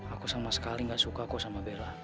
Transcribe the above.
aku sama sekali gak suka kok sama bella